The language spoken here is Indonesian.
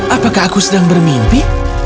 apakah aku sedang bermimpi